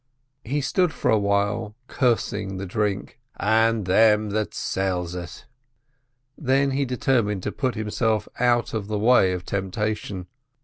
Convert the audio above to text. He stood for a while, cursing the drink, "and them that sells it." Then he determined to put himself out of the way of temptation.